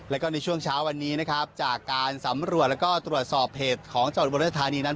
แล้วก็ในช่วงเช้าวันนี้นะครับจากการสำรวจแล้วก็ตรวจสอบเพจของจังหวัดอุบลธานีนั้น